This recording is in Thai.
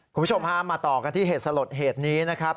คุณผู้ชมฮะมาต่อกันที่เหตุสลดเหตุนี้นะครับ